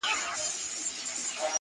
دا به ولاړ وي د زمان به توپانونه راځي!.